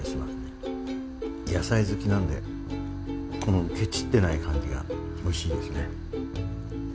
野菜好きなんでこのケチってない感じがおいしいですね。